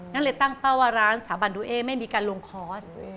นั่นเลยตั้งเป้าว่าร้านสาบันดูเอ๊ไม่มีการลงคอร์ส